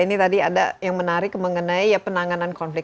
ini tadi ada yang menarik mengenai penanganan konflik